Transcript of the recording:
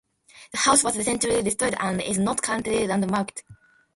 The house was recently restored and is not currently landmarked.